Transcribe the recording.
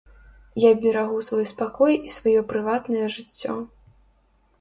Я берагу свой спакой і сваё прыватнае жыццё.